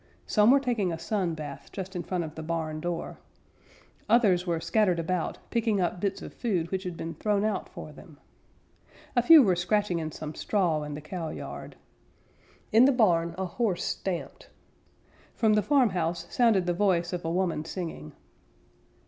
Some were taking a sun bath just in front of the barn door. Others were scattered about, picking up bits of food which had been thrown out for them. A few were scratching in some straw in the cowyard. In the barn a horse stamped. From the farmhouse sounded the voice of a woman singing.